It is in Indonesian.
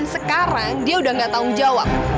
sekarang dia udah gak tanggung jawab